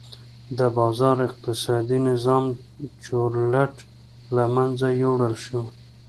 د بازار اقتصادي نظام چورلټ له منځه یووړل شو.